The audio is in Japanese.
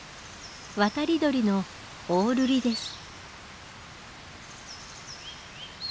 渡り鳥のオオルリです。